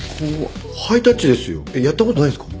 ハイタッチですよやったことないんですか？